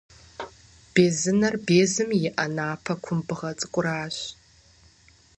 Безынэр безым иӏэ напӏэ кумбыгъэ цӏыкӏуращ.